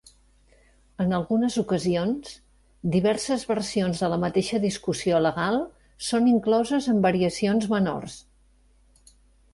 En algunes ocasions, diverses versions de la mateixa discussió legal són incloses amb variacions menors.